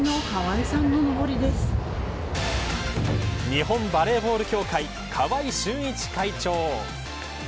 日本バレーボール協会川合俊一会長。